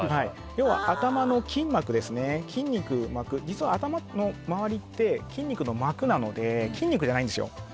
頭の筋膜、筋肉の膜実は頭の周りって筋肉の膜なので筋肉じゃないんですよ。